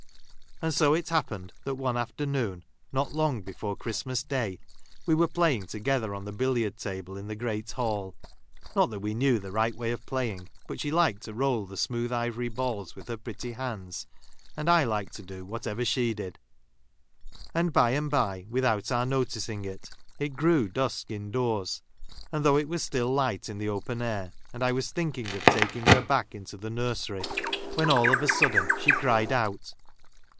And so it happened, that one afternoon, not long before Christmas day, we were playing together on the billiard table in the great hall (not that we knew the right way of playing, but she liked to I'oll the smooth ivoiy balls with her pretty hands, and I liked to do whatever she did) ; and, by and bye, without our noticing it, it grew dusk indoors, though it was still light in the open air, and I was thinking of taking her back into the nui*sery, when, all of a sudden, I she cried out